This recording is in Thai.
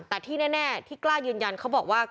แต่ที่แน่ที่กล้ายืนยันเขาบอกว่า